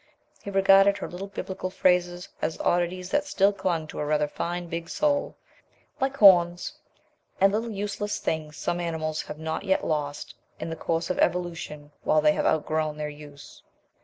He regarded her little biblical phrases as oddities that still clung to a rather fine, big soul like horns and little useless things some animals have not yet lost in the course of evolution while they have outgrown their use.